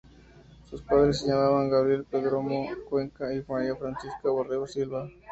Sus padres se llamaban Gabriel Perdomo Cuenca y María Francisca Borrero Silva.